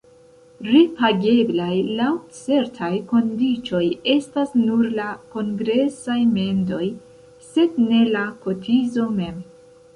Repageblaj laŭ certaj kondiĉoj estas nur la kongresaj mendoj, sed ne la kotizo mem.